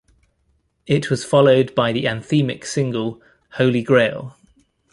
It was followed by the anthemic single, "Holy Grail".